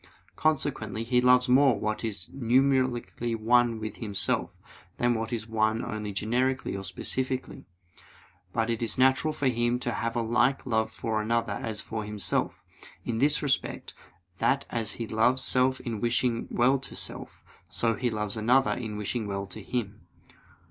Consequently he loves more what is numerically one with himself, than what is one only generically or specifically. But it is natural for him to have a like love for another as for himself, in this respect, that as he loves self in wishing well to self, so he loves another in wishing well to him.